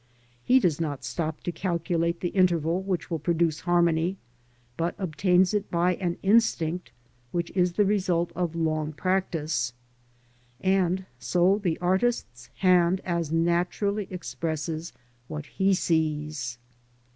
He does not stop to calculate the interval which will produce harmony, but obtains it by an instinct which is the result of long practice, and so the artist's hand as naturally expresses what he sees.